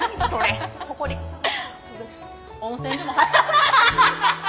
温泉でも。